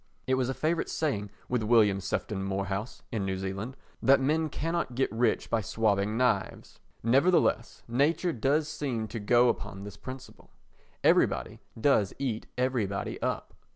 It was a favourite saying with William Sefton Moorhouse [in New Zealand] that men cannot get rich by swopping knives. Nevertheless nature does seem to go upon this principle. Everybody does eat everybody up.